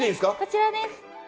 こちらです。